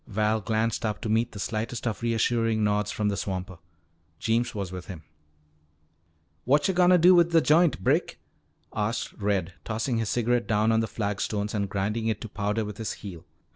Val glanced up to meet the slightest of reassuring nods from the swamper. Jeems was with him. "Whatcha gonna do with the joint, Brick?" asked Red, tossing his cigarette down on the flagstones and grinding it to powder with his heel.